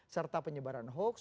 serta penyebaran hoax